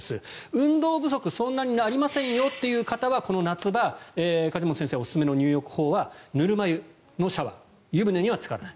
運動不足そんなになりませんという方はこの夏場梶本先生おすすめの入浴法はぬるま湯のシャワー湯船にはつからない。